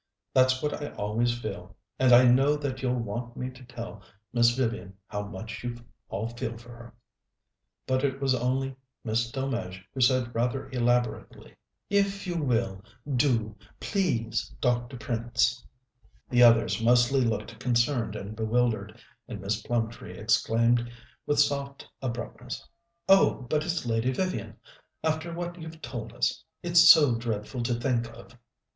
That's what I always feel. And I know that you'll want me to tell Miss Vivian how much you all feel for her." But it was only Miss Delmege who said rather elaborately: "If you will, do, please, Dr. Prince." The others mostly looked concerned and bewildered, and Miss Plumtree exclaimed with soft abruptness: "Oh, but it's Lady Vivian after what you've told us. It's so dreadful to think of!